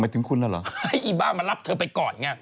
ไอ้บ้ามารับเธอไปก่อน